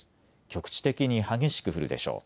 局地的に激しく降るでしょう。